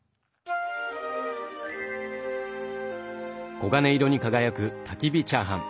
黄金色に輝くたきび火チャーハン！